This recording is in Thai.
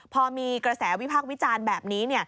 พอมีกระแสวิพากษ์วิจารณ์แบบนี้